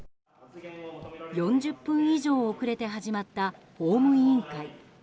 ４０分以上遅れて始まった法務委員会。